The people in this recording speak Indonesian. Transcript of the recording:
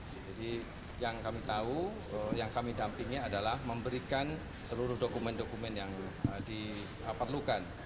jadi yang kami tahu yang kami dampingi adalah memberikan seluruh dokumen dokumen yang diperlukan